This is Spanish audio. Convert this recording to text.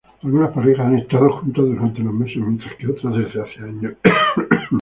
Algunas parejas han estado juntas durante unos meses, mientras que otras, desde hace años.